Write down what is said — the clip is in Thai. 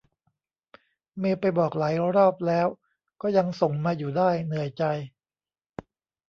เมลไปบอกหลายรอบแล้ว ก็ยังส่งมาอยู่ได้ เหนื่อยใจ